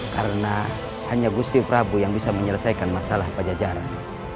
karena hanya agusti prabu yang bisa menyelesaikan masalah pajajaran